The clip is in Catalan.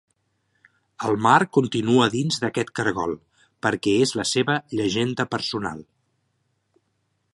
El mar continua dins d'aquest cargol, perquè és la seva Llegenda Personal.